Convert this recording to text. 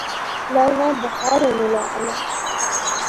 لغنا بخار ہون آلا